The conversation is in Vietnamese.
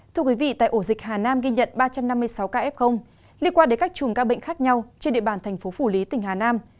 thưa quý vị tại ổ dịch hà nam ghi nhận ba trăm năm mươi sáu ca f liên quan đến các chùm ca bệnh khác nhau trên địa bàn thành phố phủ lý tỉnh hà nam